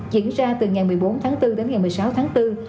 diễn ra từ ngày một mươi bốn tháng bốn đến ngày một mươi sáu tháng bốn